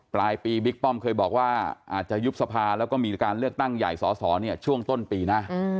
ปลายปีบิ๊กป้อมเคยบอกว่าอาจจะยุบสภาแล้วก็มีการเลือกตั้งใหญ่สอสอช่วงต้นปีหน้า